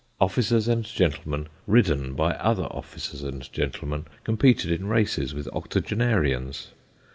Officers and gentlemen, ridden by other officers and gentlemen, competed in races with octogenarians.